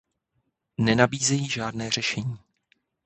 Nenabízejí žádné řešení.